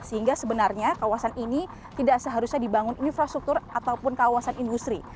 sehingga sebenarnya kawasan ini tidak seharusnya dibangun infrastruktur ataupun kawasan industri